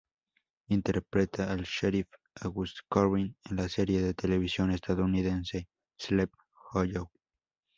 Interpreta al sheriff August Corbin en la serie de televisión estadounidense "Sleepy Hollow".